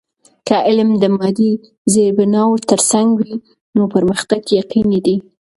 که علم د مادی زیربناوو ترڅنګ وي، نو پرمختګ یقینی دی.